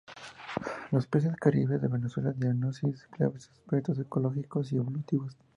Los Peces Caribes de Venezuela: diagnosis, claves y aspectos ecológicos y evolutivos.